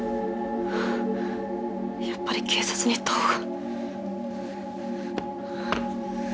やっぱり警察にいった方が。